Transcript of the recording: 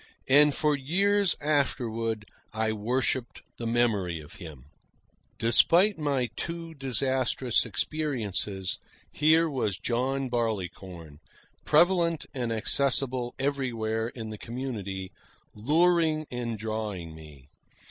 And for years afterward I worshipped the memory of him. Despite my two disastrous experiences, here was John Barleycorn, prevalent and accessible everywhere in the community, luring and drawing me.